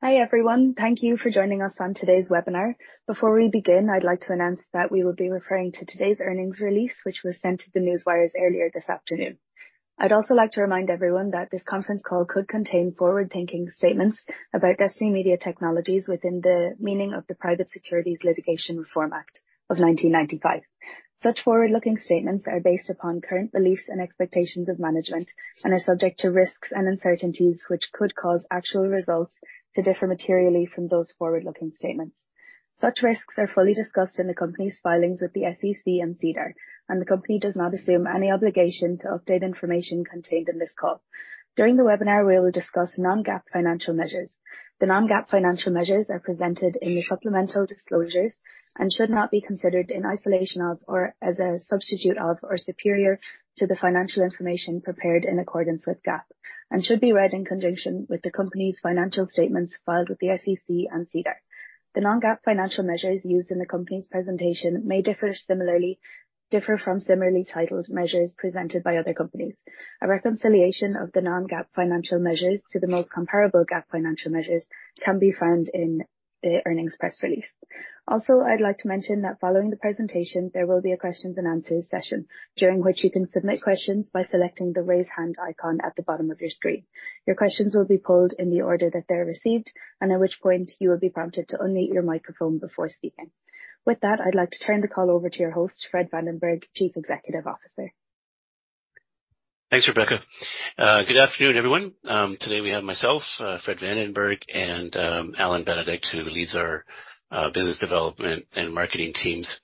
Hi, everyone. Thank you for joining us on today's webinar. Before we begin, I'd like to announce that we will be referring to today's earnings release, which was sent to the newswires earlier this afternoon. I'd also like to remind everyone that this conference call could contain forward-thinking statements about Destiny Media Technologies within the meaning of the Private Securities Litigation Reform Act of 1995. Such forward-looking statements are based upon current beliefs and expectations of management and are subject to risks and uncertainties, which could cause actual results to differ materially from those forward-looking statements. Such risks are fully discussed in the company's filings with the SEC and SEDAR. The company does not assume any obligation to update information contained in this call. During the webinar, we will discuss non-GAAP financial measures. The non-GAAP financial measures are presented in the supplemental disclosures and should not be considered in isolation of, or as a substitute of, or superior to the financial information prepared in accordance with GAAP and should be read in conjunction with the company's financial statements filed with the SEC and SEDAR. The non-GAAP financial measures used in the company's presentation may differ from similarly titled measures presented by other companies. A reconciliation of the non-GAAP financial measures to the most comparable GAAP financial measures can be found in the earnings press release. I'd like to mention that following the presentation, there will be a questions and answers session, during which you can submit questions by selecting the Raise Hand icon at the bottom of your screen. Your questions will be pulled in the order that they are received, and at which point you will be prompted to unmute your microphone before speaking. With that, I'd like to turn the call over to your host, Fred Vandenberg, Chief Executive Officer. Thanks, Rebecca. Good afternoon, everyone. Today we have myself, Fred Vandenberg, and Allan Benedict, who leads our business development and marketing teams.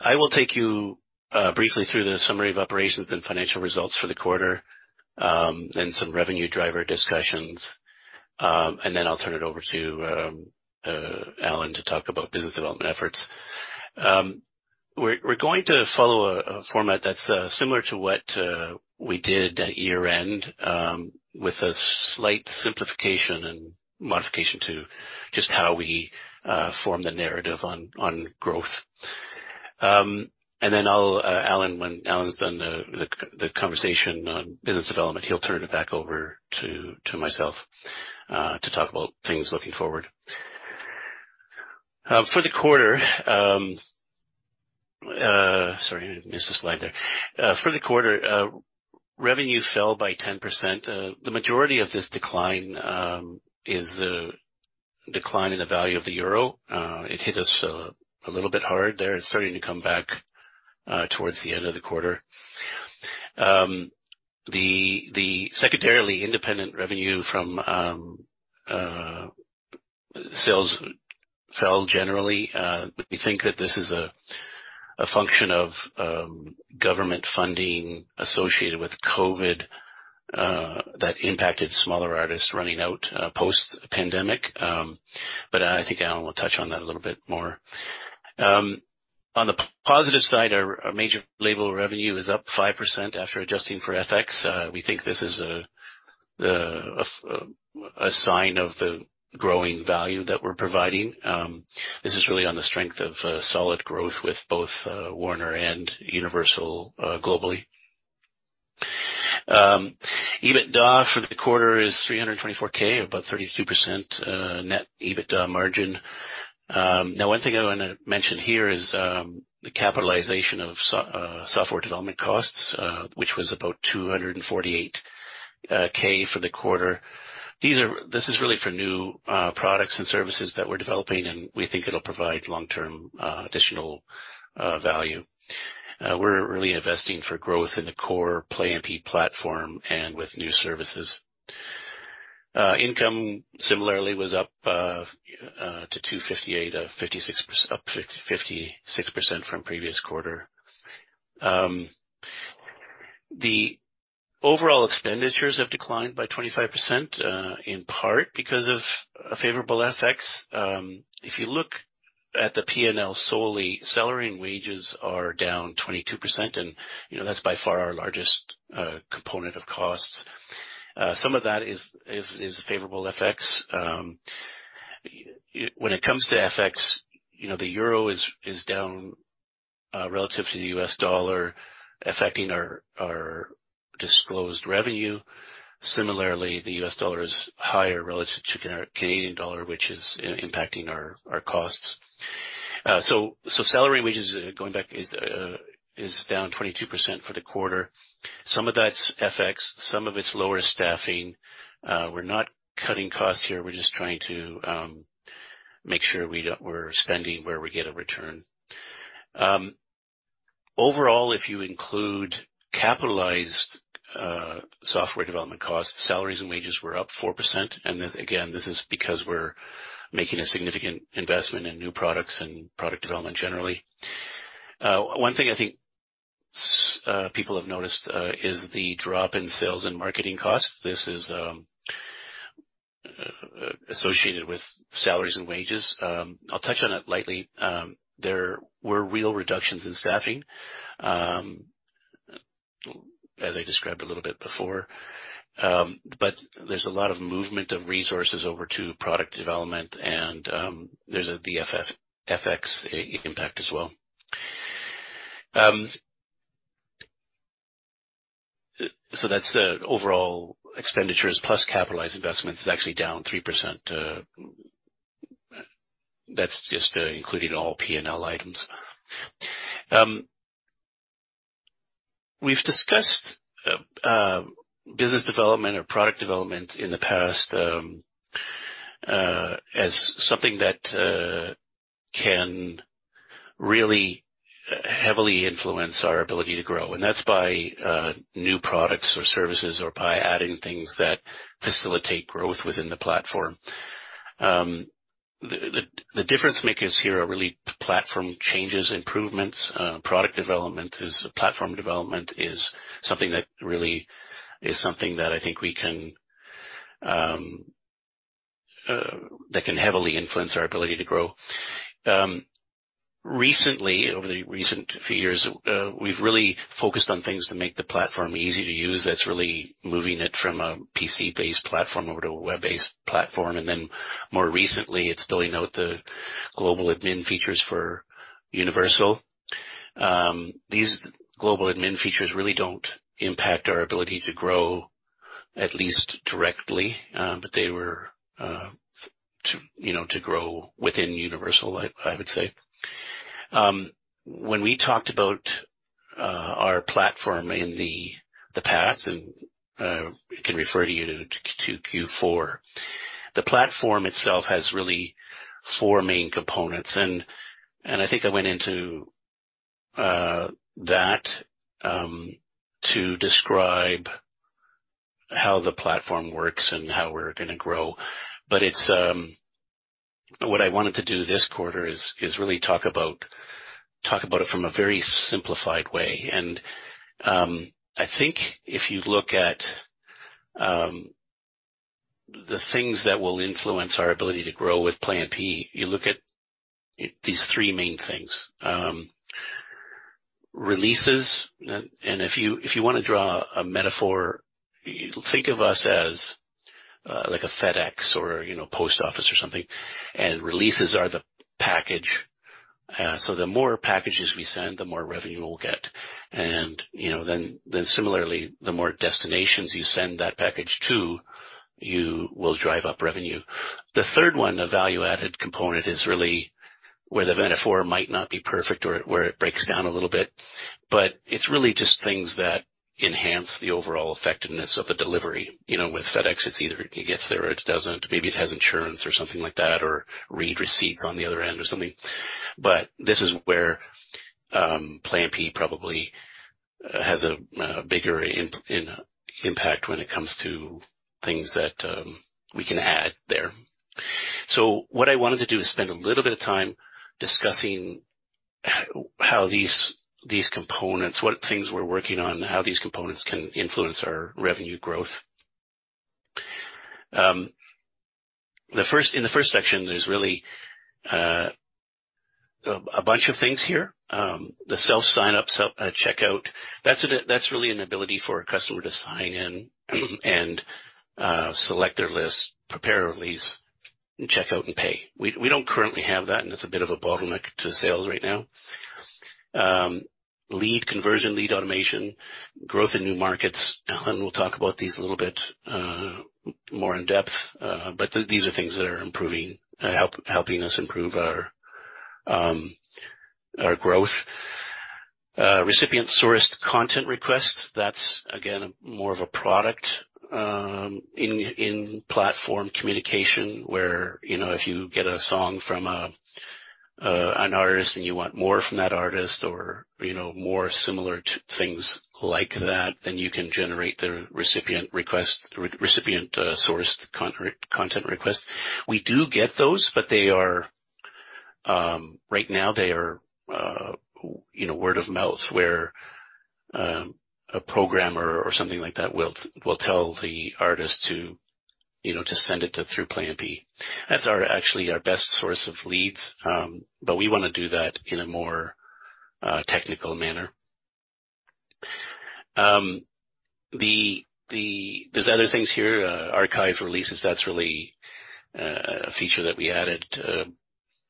I will take you briefly through the summary of operations and financial results for the quarter, and some revenue driver discussions. I'll turn it over to Allan to talk about business development efforts. We're going to follow a format that's similar to what we did at year-end, with a slight simplification and modification to just how we form the narrative on growth. Allan, when Allan's done the conversation on business development, he'll turn it back over to myself to talk about things looking forward. For the quarter, sorry, I missed a slide there. For the quarter, revenue fell by 10%. The majority of this decline is the decline in the value of the EUR. It hit us a little bit hard there. It's starting to come back towards the end of the quarter. The secondarily independent revenue from sales fell generally. We think that this is a function of government funding associated with COVID that impacted smaller artists running out post-pandemic. I think Allan will touch on that a little bit more. On the positive side, our major label revenue is up 5% after adjusting for FX. We think this is a sign of the growing value that we're providing. This is really on the strength of solid growth with both Warner and Universal globally. EBITDA for the quarter is $324,000, about 32% net EBITDA margin. Now one thing I wanna mention here is the capitalization of software development costs, which was about $248K for the quarter. This is really for new products and services that we're developing, and we think it'll provide long-term additional value. We're really investing for growth in the core Play MPE platform and with new services. Income similarly was up to $258, up 56% from previous quarter. The overall expenditures have declined by 25% in part because of a favorable FX. If you look at the P&L solely, salary and wages are down 22%, and, you know, that's by far our largest component of costs. Some of that is favorable FX. When it comes to FX, you know, the euro is down relative to the U.S. dollar, affecting our disclosed revenue. Similarly, the U.S. dollar is higher relative to Canadian dollar, which is impacting our costs. Salary and wages, going back, is down 22% for the quarter. Some of that's FX, some of it's lower staffing. We're not cutting costs here. We're just trying to make sure we're spending where we get a return. Overall, if you include capitalized software development costs, salaries and wages were up 4%. This, again, this is because we're making a significant investment in new products and product development generally. One thing I think people have noticed is the drop in sales and marketing costs. This is associated with salaries and wages. I'll touch on it lightly. There were real reductions in staffing, as I described a little bit before. There's a lot of movement of resources over to product development and there's the FX impact as well. That's the overall expenditures plus capitalized investments is actually down 3%. That's just including all P&L items. We've discussed business development or product development in the past, as something that can really heavily influence our ability to grow, and that's by new products or services or by adding things that facilitate growth within the platform. The difference makers here are really platform changes, improvements. Platform development is something that really is something that I think we can that can heavily influence our ability to grow. Recently, over the recent few years, we've really focused on things to make the platform easy to use. That's really moving it from a PC-based platform over to a web-based platform. More recently, it's building out the global admin features for Universal. These global admin features really don't impact our ability to grow, at least directly, but they were to, you know, to grow within Universal, I would say. When we talked about our platform in the past, we can refer you to Q4. The platform itself has really four main components. I think I went into that to describe how the platform works and how we're gonna grow. What I wanted to do this quarter is really talk about it from a very simplified way. I think if you look at the things that will influence our ability to grow with Play MPE, you look at these three main things. Releases, if you, if you wanna draw a metaphor, think of us as, like a FedEx or, you know, post office or something, and releases are the package. The more packages we send, the more revenue we'll get. You know, similarly, the more destinations you send that package to, you will drive up revenue. The third one, the value-added component, is really where the metaphor might not be perfect or where it breaks down a little bit, but it's really just things that enhance the overall effectiveness of a delivery. You know, with FedEx, it's either it gets there or it doesn't. Maybe it has insurance or something like that or read receipts on the other end or something. This is where Play MPE probably has a bigger impact when it comes to things that we can add there. What I wanted to do is spend a little bit of time discussing how these components, what things we're working on, how these components can influence our revenue growth. In the first section, there's really a bunch of things here. The self-sign up, self-checkout, that's really an ability for a customer to sign in and select their list, prepare a release and check out and pay. We don't currently have that, and it's a bit of a bottleneck to sales right now. Lead conversion, lead automation, growth in new markets. Allan will talk about these a little bit more in depth. But these are things that are improving, helping us improve our growth. Recipient-sourced content requests, that's again more of a product, in platform communication, where, you know, if you get a song from an artist and you want more from that artist or, you know, more similar things like that, then you can generate the recipient request, recipient sourced content request. We do get those, but they are, right now they are, you know, word of mouth, where a programmer or something like that will tell the artist to, you know, to send it to through Play MPE. That's our actually our best source of leads, but we wanna do that in a more technical manner. There's other things here, archive releases. That's really a feature that we added,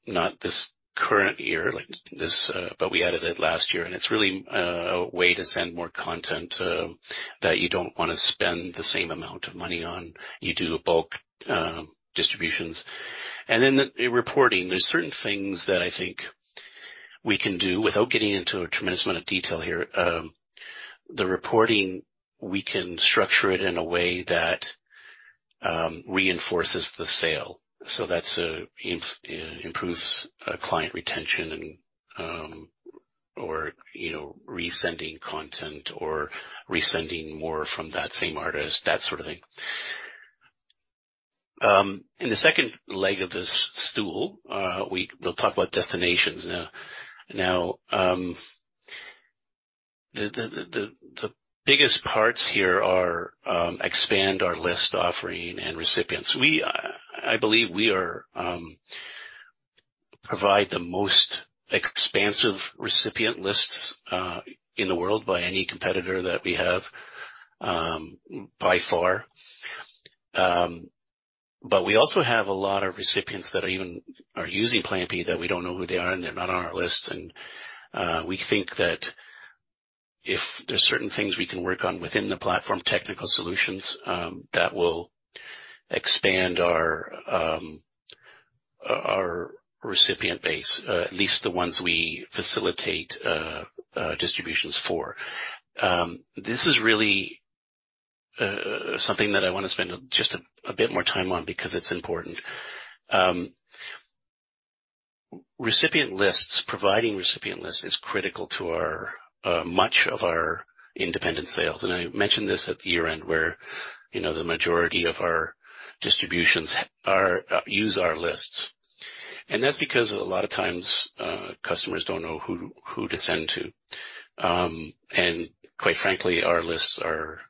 not this current year like this, but we added it last year, and it's really a way to send more content that you don't wanna spend the same amount of money on. You do bulk distributions. Then the reporting. There's certain things that I think we can do without getting into a tremendous amount of detail here. The reporting, we can structure it in a way that reinforces the sale. That's improves client retention and, or, you know, resending content or resending more from that same artist, that sort of thing. In the second leg of this stool, we will talk about destinations now. The biggest parts here are expand our list offering and recipients. We, I believe we are, provide the most expansive recipient lists in the world by any competitor that we have, by far. We also have a lot of recipients that are using Play MPE that we don't know who they are, and they're not on our list. We think that if there's certain things we can work on within the platform, technical solutions, that will expand our recipient base, at least the ones we facilitate distributions for. This is really something that I wanna spend just a bit more time on because it's important. Recipient lists. Providing recipient lists is critical to our much of our independent sales. I mentioned this at the year-end where, you know, the majority of our distributions are use our lists. That's because a lot of times, customers don't know who to send to. Quite frankly, our lists are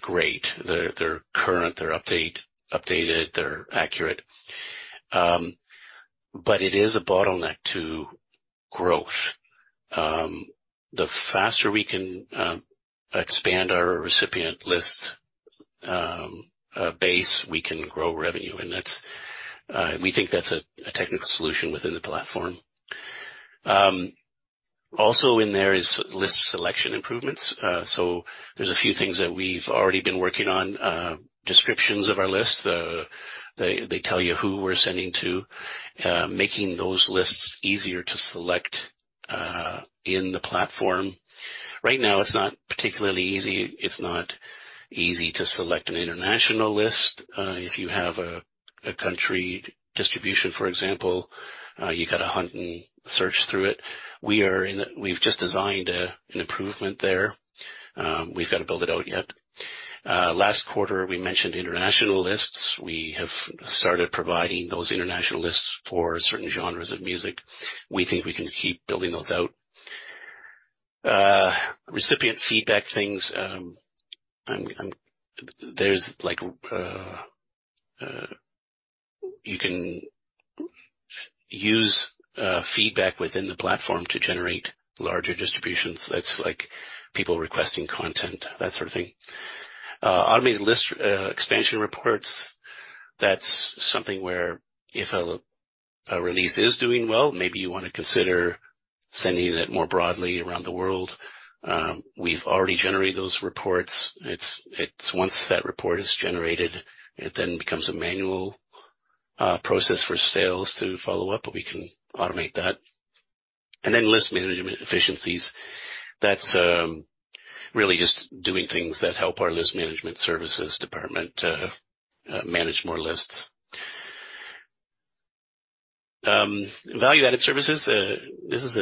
great. They're current, they're updated, they're accurate. It is a bottleneck to growth. The faster we can expand our recipient list base, we can grow revenue. That's, we think that's a technical solution within the platform. Also in there is list selection improvements. There's a few things that we've already been working on. Descriptions of our list. They tell you who we're sending to, making those lists easier to select in the platform. Right now, it's not particularly easy. It's not easy to select an international list. If you have a country distribution, for example, you gotta hunt and search through it. We've just designed an improvement there. We've got to build it out yet. Last quarter we mentioned international lists. We have started providing those international lists for certain genres of music. We think we can keep building those out. Recipient feedback things. There's like, you can use feedback within the platform to generate larger distributions that's like people requesting content, that sort of thing. Automated list expansion reports. That's something where if a release is doing well, maybe you wanna consider sending it more broadly around the world. We've already generated those reports. Once that report is generated, it then becomes a manual process for sales to follow up, but we can automate that. List management efficiencies. That's really just doing things that help our list management services department manage more lists. Value-added services. This is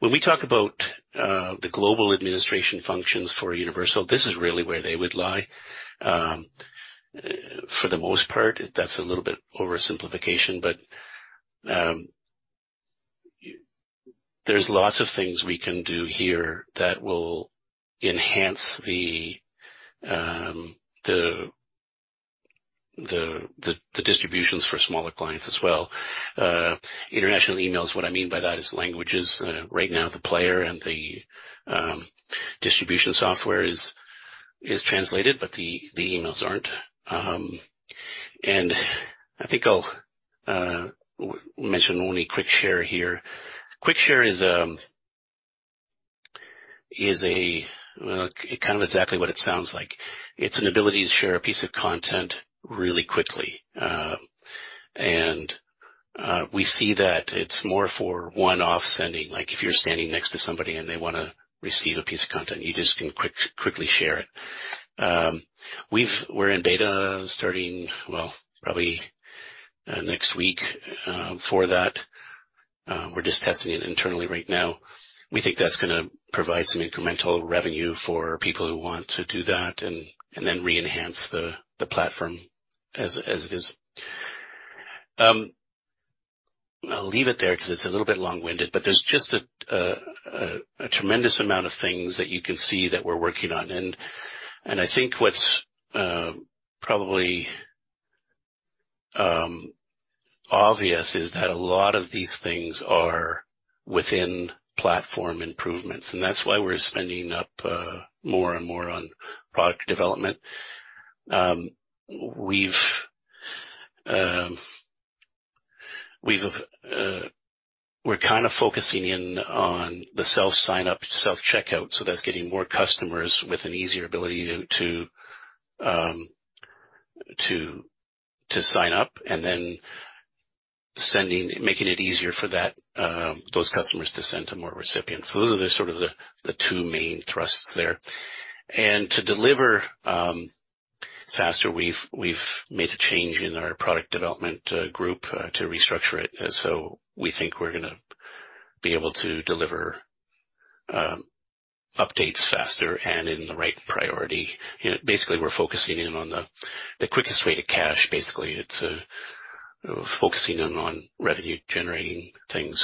when we talk about the global administration functions for Universal, this is really where they would lie. For the most part, that's a little bit oversimplification, but there's lots of things we can do here that will enhance the distributions for smaller clients as well. International emails. What I mean by that is languages. Right now, the Player and the distribution software is translated, but the emails aren't. I think I'll mention only Quick Share here. Quick Share is a kind of exactly what it sounds like. It's an ability to share a piece of content really quickly.. We see that it's more for one-off sending. Like, if you're standing next to somebody and they want to receive a piece of content, you just can quick, quickly share it. We're in beta starting, well, probably next week for that. We're just testing it internally right now. We think that's gonna provide some incremental revenue for people who want to do that and then re-enhance the platform as it is. I'll leave it there 'cause it's a little bit long-winded, but there's just a tremendous amount of things that you can see that we're working on. I think what's probably obvious is that a lot of these things are within platform improvements, and that's why we're spending up more and more on product development. We're kind of focusing in on the self-sign-up, self-checkout, so that's getting more customers with an easier ability to sign up and then making it easier for that those customers to send to more recipients. Those are the sort of the two main thrusts there. To deliver faster, we've made a change in our product development group to restructure it. We think we're gonna be able to deliver updates faster and in the right priority. Basically, we're focusing in on the quickest way to cash. Basically, it's focusing in on revenue generating things.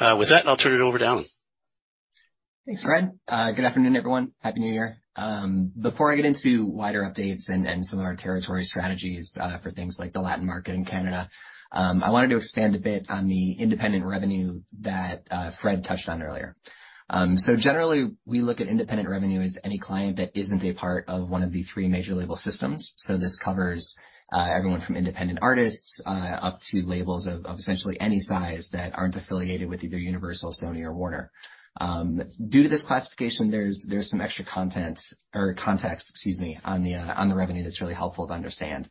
With that, I'll turn it over to Allan. Thanks, Fred. good afternoon, everyone. Happy New Year. Before I get into wider updates and some of our territory strategies, for things like the Latin market and Canada, I wanted to expand a bit on the independent revenue that Fred touched on earlier. Generally, we look at independent revenue as any client that isn't a part of one of the three major label systems. This covers everyone from independent artists up to labels of essentially any size that aren't affiliated with either Universal, Sony or Warner. Due to this classification, there's some extra content or context, excuse me, on the revenue that's really helpful to understand.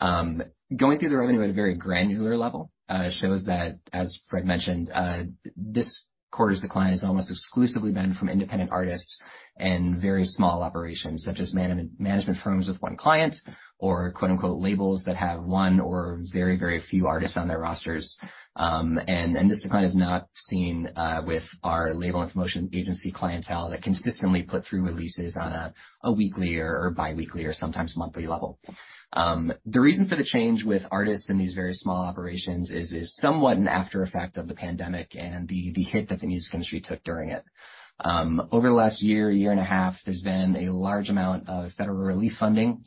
Going through the revenue at a very granular level shows that, as Fred mentioned, this quarter's decline has almost exclusively been from independent artists and very small operations such as management firms with one client or quote-unquote, labels that have one or very, very few artists on their rosters. This decline is not seen with our label and promotion agency clientele that consistently put through releases on a weekly or bi-weekly or sometimes monthly level. The reason for the change with artists in these very small operations is somewhat an after effect of the pandemic and the hit that the music industry took during it. Over the last year and a half, there's been a large amount of federal relief funding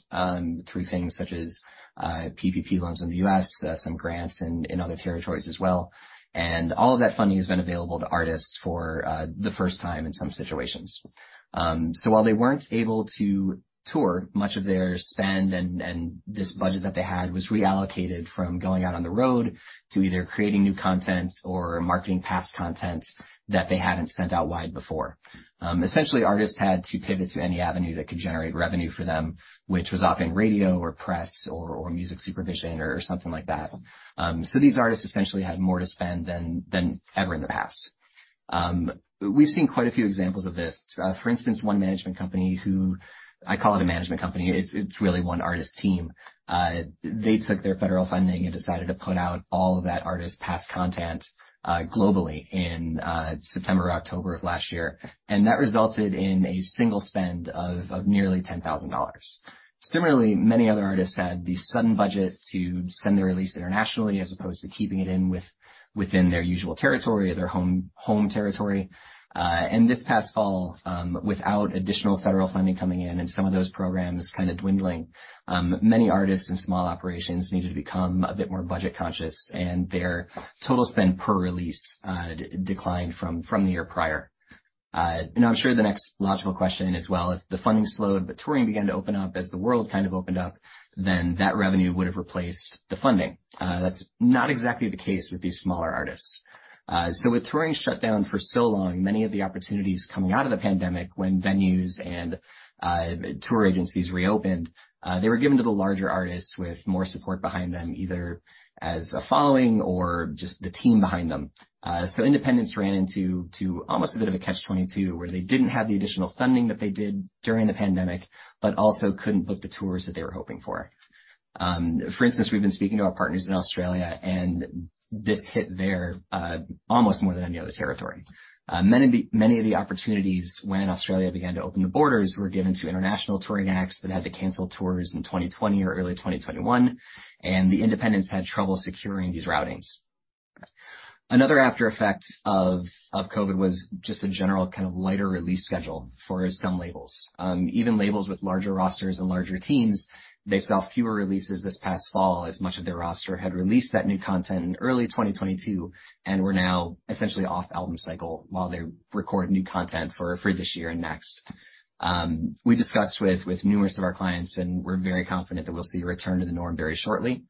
through things such as PPP loans in the U.S., some grants in other territories as well. All of that funding has been available to artists for the first time in some situations. While they weren't able to tour much of their spend and this budget that they had was reallocated from going out on the road to either creating new content or marketing past content that they hadn't sent out wide before. Essentially, artists had to pivot to any avenue that could generate revenue for them, which was often radio or press or music supervision or something like that. These artists essentially had more to spend than ever in the past. We've seen quite a few examples of this. For instance, one management company who I call it a management company, it's really one artist team. They took their federal funding and decided to put out all of that artist's past content, globally in September or October of last year, and that resulted in a single spend of nearly $10,000. Similarly, many other artists had the sudden budget to send their release internationally, as opposed to keeping it within their usual territory or their home territory. This past fall, without additional federal funding coming in and some of those programs kind of dwindling, many artists and small operations needed to become a bit more budget conscious, and their total spend per release declined from the year prior. I'm sure the next logical question as well, if the funding slowed but touring began to open up as the world kind of opened up, then that revenue would have replaced the funding. That's not exactly the case with these smaller artists. With touring shut down for so long, many of the opportunities coming out of the pandemic when venues and tour agencies reopened, they were given to the larger artists with more support behind them, either as a following or just the team behind them. Independents ran into almost a bit of a catch-22, where they didn't have the additional funding that they did during the pandemic, but also couldn't book the tours that they were hoping for. For instance, we've been speaking to our partners in Australia, and this hit there almost more than any other territory. Many of the opportunities when Australia began to open the borders were given to international touring acts that had to cancel tours in 2020 or early 2021, and the independents had trouble securing these routings. Another after effect of Covid was just a general kind of lighter release schedule for some labels. Even labels with larger rosters and larger teams, they saw fewer releases this past fall as much of their roster had released that new content in early 2022 and were now essentially off album cycle while they record new content for this year and next. We discussed with numerous of our clients, and we're very confident that we'll see a return to the norm very shortly.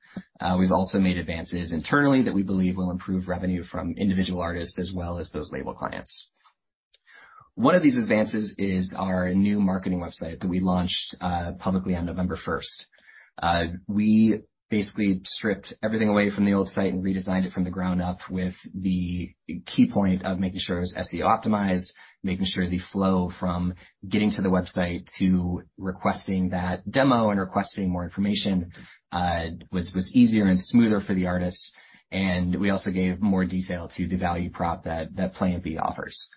We've also made advances internally that we believe will improve revenue from individual artists as well as those label clients. One of these advances is our new marketing website that we launched publicly on November 1st. We basically stripped everything away from the old site and redesigned it from the ground up with the key point of making sure it was SEO optimized, making sure the flow from getting to the website to requesting that demo and requesting more information was easier and smoother for the artists. We also gave more detail to the value prop that Play MPE offers.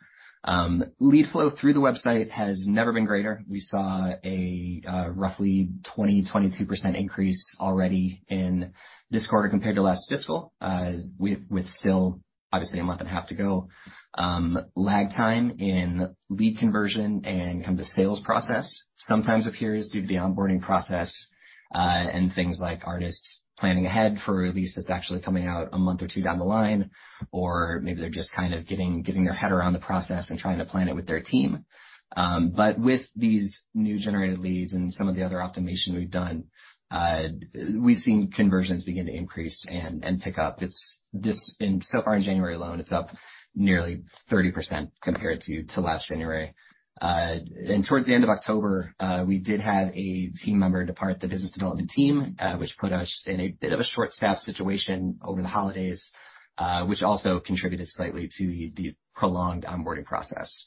Lead flow through the website has never been greater. We saw a roughly 22% increase already in this quarter compared to last fiscal, with still obviously a month and a half to go. Lag time in lead conversion and kind of the sales process sometimes appears due to the onboarding process, and things like artists planning ahead for a release that's actually coming out a month or two down the line. Maybe they're just kind of getting their head around the process and trying to plan it with their team. With these new generated leads and some of the other optimization we've done, we've seen conversions begin to increase and pick up. So far in January alone, it's up nearly 30% compared to last January. Towards the end of October, we did have a team member depart the business development team, which put us in a bit of a short staff situation over the holidays, which also contributed slightly to the prolonged onboarding process.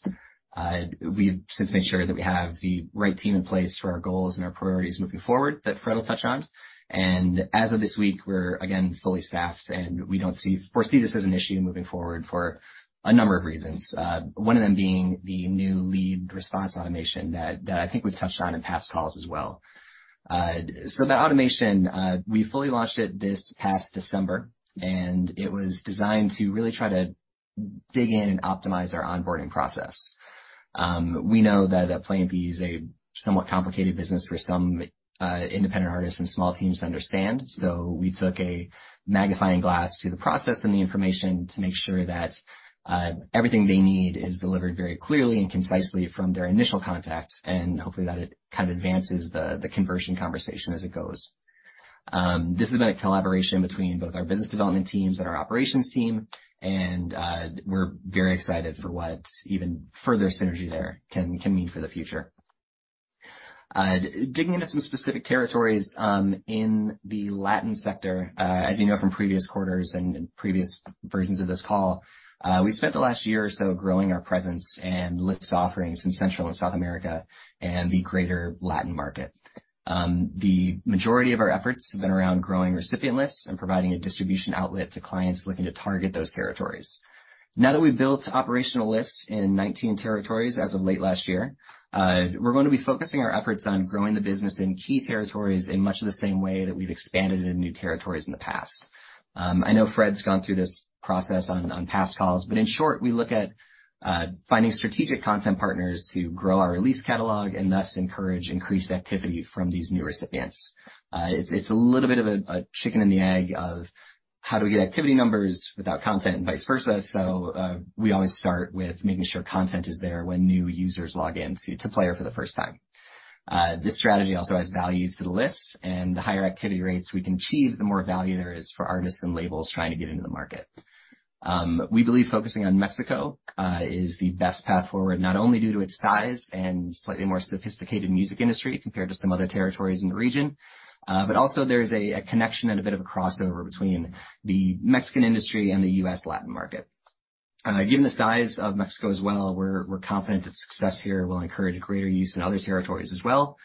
We've since made sure that we have the right team in place for our goals and our priorities moving forward, that Fred will touch on. As of this week, we're again fully staffed, and we don't foresee this as an issue moving forward for a number of reasons, one of them being the new lead response automation that I think we've touched on in past calls as well. The automation, we fully launched it this past December, and it was designed to really try to dig in and optimize our onboarding process. We know that the Play MPE is a somewhat complicated business for some independent artists and small teams to understand. We took a magnifying glass to the process and the information to make sure that everything they need is delivered very clearly and concisely from their initial contact, and hopefully that it kind of advances the conversion conversation as it goes. This has been a collaboration between both our business development teams and our operations team, and we're very excited for what even further synergy there can mean for the future. Digging into some specific territories in the Latin sector. As you know from previous quarters and previous versions of this call, we spent the last year or so growing our presence and lists offerings in Central and South America and the Greater Latin market. The majority of our efforts have been around growing recipient lists and providing a distribution outlet to clients looking to target those territories. Now that we've built operational lists in 19 territories as of late last year, we're gonna be focusing our efforts on growing the business in key territories in much the same way that we've expanded into new territories in the past. I know Fred's gone through this process on past calls, but in short, we look at finding strategic content partners to grow our release catalog and thus encourage increased activity from these new recipients. It's a little bit of a chicken and the egg of how do we get activity numbers without content and vice versa. We always start with making sure content is there when new users log in to Play MPE Player for the first time. This strategy also adds values to the list, and the higher activity rates we can achieve, the more value there is for artists and labels trying to get into the market. We believe focusing on Mexico is the best path forward, not only due to its size and slightly more sophisticated music industry compared to some other territories in the region, but also there is a connection and a bit of a crossover between the Mexican industry and the U.S. Latin market. Given the size of Mexico as well, we're confident that success here will encourage greater use in other territories as well.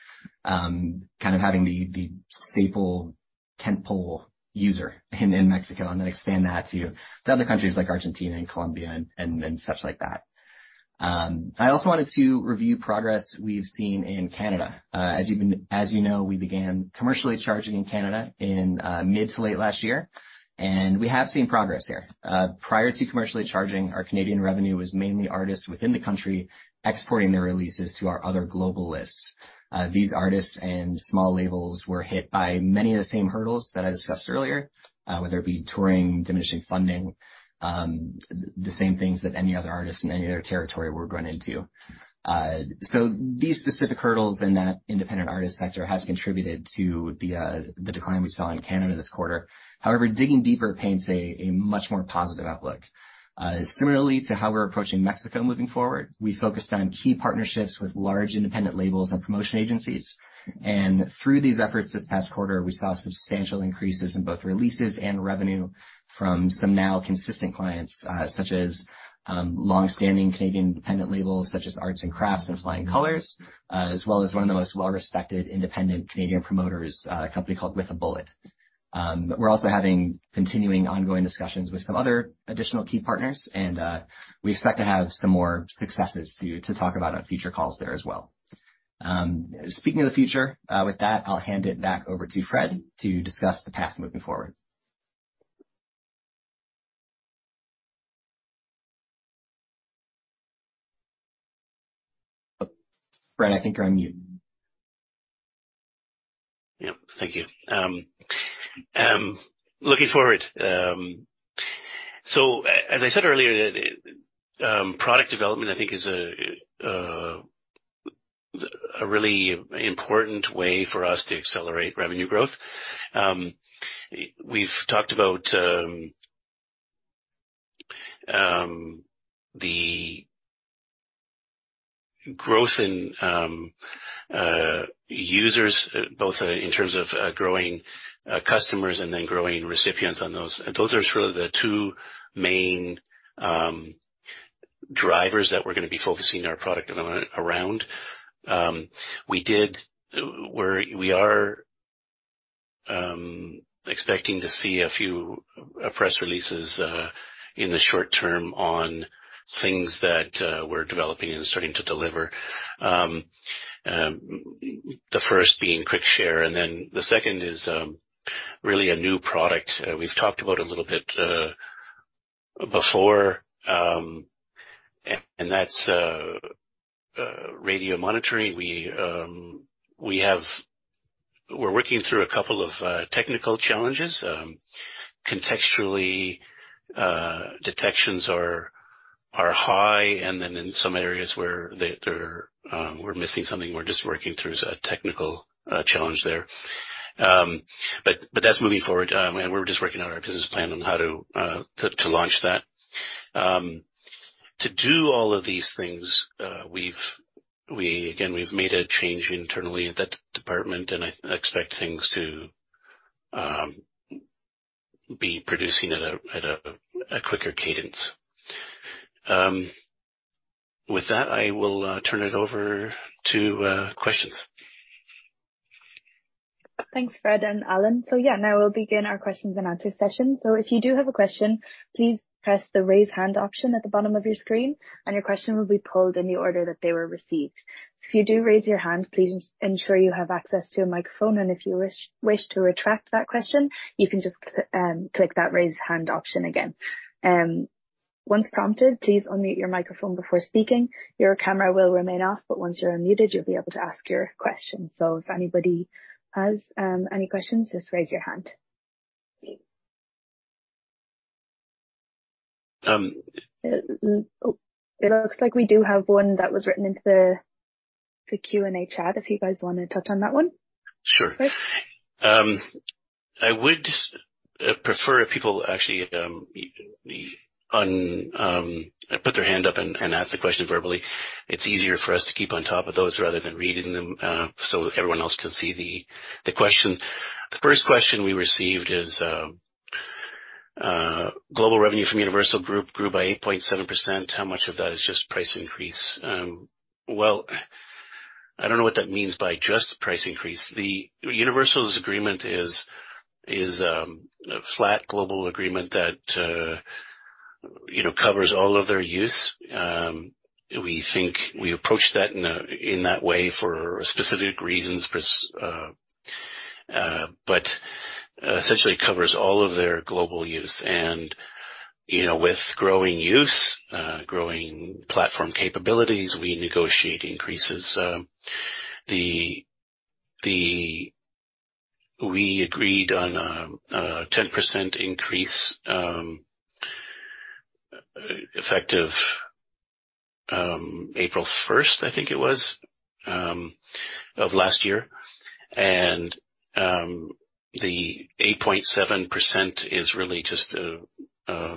Kind of having the staple tentpole user in Mexico and then expand that to other countries like Argentina and Colombia and such like that. I also wanted to review progress we've seen in Canada. As you know, we began commercially charging in Canada in mid to late last year. We have seen progress here. Prior to commercially charging, our Canadian revenue was mainly artists within the country exporting their releases to our other global lists. These artists and small labels were hit by many of the same hurdles that I discussed earlier, whether it be touring, diminishing funding, the same things that any other artist in any other territory would run into. These specific hurdles in that independent artist sector has contributed to the decline we saw in Canada this quarter. However, digging deeper paints a much more positive outlook. Similarly to how we're approaching Mexico moving forward, we focused on key partnerships with large independent labels and promotion agencies. Through these efforts this past quarter, we saw substantial increases in both releases and revenue from some now consistent clients, such as long-standing Canadian independent labels such as Arts & Crafts and Flying Colours, as well as one of the most well-respected independent Canadian promoters, a company called With A Bullet. We're also having continuing ongoing discussions with some other additional key partners, and we expect to have some more successes to talk about on future calls there as well. Speaking of the future, with that, I'll hand it back over to Fred to discuss the path moving forward. Fred, I think you're on mute. Yep. Thank you. Looking forward. As I said earlier, product development I think is a really important way for us to accelerate revenue growth. We've talked about the growth in users, both in terms of growing customers and then growing recipients on those. Those are sort of the two main drivers that we're gonna be focusing our product development around. We are expecting to see a few press releases in the short term on things that we're developing and starting to deliver. The first being Quick Share, and then the second is really a new product we've talked about a little bit before, and that's radio monitoring. We're working through a couple of technical challenges. Contextually, detections are high, and then in some areas where they're, we're missing something, we're just working through a technical challenge there. That's moving forward. We're just working on our business plan on how to launch that. To do all of these things, we again, we've made a change internally in that department, and I expect things to be producing at a quicker cadence. With that, I will turn it over to questions. Thanks, Fred and Allan. Now we'll begin our questions and answer session. If you do have a question, please press the Raise Hand option at the bottom of your screen, and your question will be pulled in the order that they were received. If you do raise your hand, please ensure you have access to a microphone. If you wish to retract that question, you can just click that Raise Hand option again. Once prompted, please unmute your microphone before speaking. Your camera will remain off, but once you're unmuted, you'll be able to ask your question. If anybody has any questions, just raise your hand. Um- It looks like we do have one that was written into the Q&A chat, if you guys wanna touch on that one. Sure. I would prefer if people actually put their hand up and ask the question verbally. It's easier for us to keep on top of those rather than reading them, so everyone else can see the question. The first question we received is, global revenue from Universal Music Group grew by 8.7%. How much of that is just price increase? Well, I don't know what that means by just price increase. The Universal's agreement is a flat global agreement that, you know, covers all of their use. We think we approach that in that way for specific reasons, essentially covers all of their global use. You know, with growing use, growing platform capabilities, we negotiate increases. We agreed on a 10% increase effective April 1st, I think it was, of last year. The 8.7% is really just a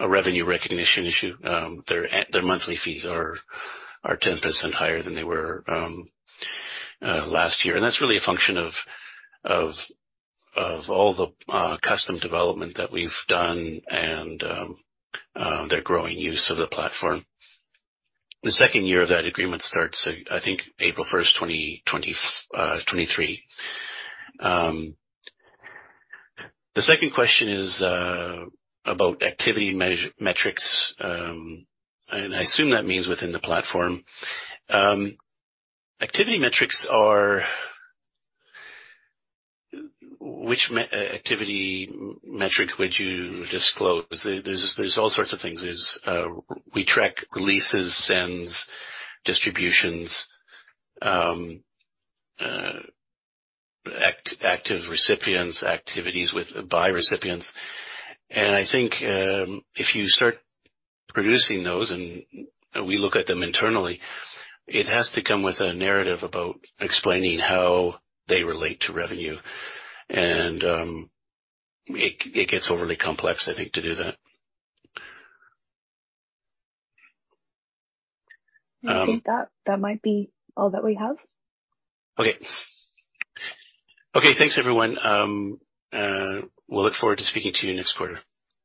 revenue recognition issue. Their monthly fees are 10% higher than they were last year. That's really a function of all the custom development that we've done and their growing use of the platform. The second year of that agreement starts, I think April 1st, 2023. The second question is about activity metrics. I assume that means within the platform. Activity metrics. Which activity metric would you disclose? There's all sorts of things. We track releases, sends, distributions, active recipients, activities by recipients. I think, if you start producing those and we look at them internally, it has to come with a narrative about explaining how they relate to revenue. It gets overly complex, I think, to do that. I think that might be all that we have. Okay. Okay, thanks, everyone. We'll look forward to speaking to you next quarter.